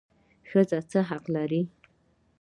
ښځه څه حق لري؟